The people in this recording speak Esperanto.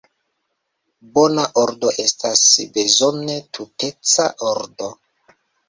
Bona ordo estas bezone tuteca ordo.